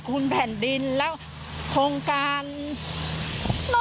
คุณประสิทธิ์ทราบรึเปล่าคะว่า